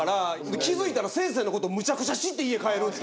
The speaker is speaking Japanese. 気付いたら先生の事むちゃくちゃ知って家帰るっていう。